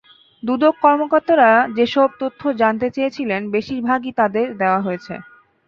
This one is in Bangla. দুদক কর্মকর্তারা যেসব তথ্য জানতে চেয়েছিলেন, বেশির ভাগই তাঁদের দেওয়া হয়েছে।